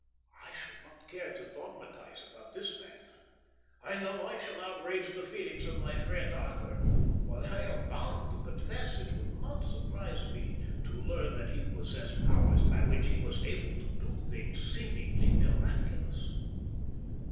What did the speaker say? "I should not care to dogmatize about this man. I know I shall outrage the feelings of my friend Arthur, but I am bound to confess it would not surprise me to learn that he possessed powers by which he was able to do things seemingly miraculous."